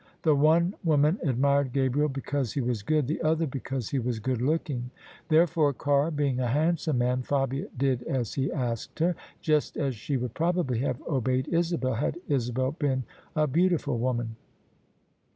The one woman admired Gabriel because he was good ; the other, because he was good looking. Therefore, Carr being a handsome man, Fabia did as he asked her; just as she would probably have obeyed Isabel, had Isabel been a beautiful woman.